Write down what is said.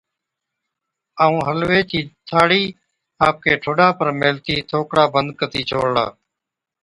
ائُون حلوي چِي ٿاڙهِي آپڪي ٺوڏا پر ميهلتِي ٿوڪرا بند ڪتِي ڇوڙلا۔